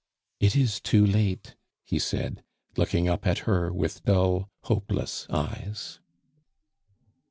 "It is too late," he said, looking up at her with dull, hopeless eyes.